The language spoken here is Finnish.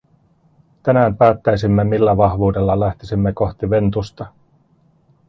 Tänään päättäisimme, millä vahvuudella lähtisimme kohti Ventusta.